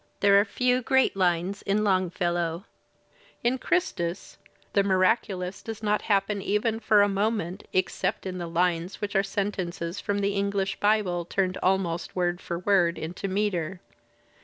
There are few great lines in Longfellow; in "Christus" the miracu lous does not happen even for a moment, except in the lines which are sentences from the English Bible turned almost word for word into metre.